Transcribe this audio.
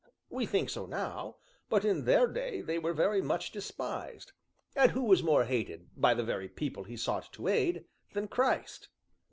"We think so now, but in their day they were very much despised, and who was more hated, by the very people He sought to aid, than Christ?"